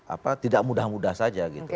apa tidak mudah mudah saja gitu